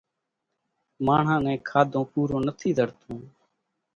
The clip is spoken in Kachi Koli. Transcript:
ماڻۿان نين کاڌون پورون نٿِي زڙتون۔